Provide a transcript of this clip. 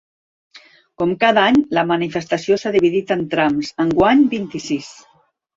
Com cada any, la manifestació s’ha dividit en trams, enguany vint-i-sis.